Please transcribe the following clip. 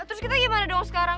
terus kita gimana dong sekarang